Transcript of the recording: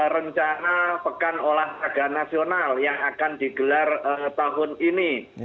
rencana pekan olahraga nasional yang akan digelar tahun ini